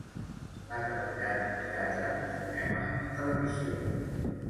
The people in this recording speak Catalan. Ha treballat en teatre, cinema i televisió.